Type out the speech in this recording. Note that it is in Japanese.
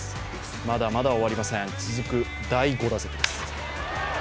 まだまだ終わりません、続く第５打席です。